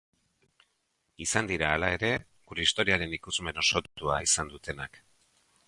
Izan dira, hala ere, gure historiaren ikusmen osotua izan dutenak.